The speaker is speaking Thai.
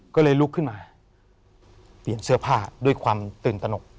ก็เลยลุกขึ้นมาเปลี่ยนเสื้อผ้าด้วยความตื่นตนก